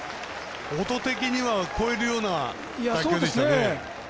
音的には越えるような打球でしたね。